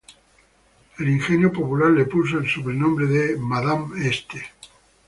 El ingenio popular le puso el sobrenombre de "Madame Este".